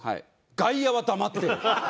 「外野は黙ってろ！」。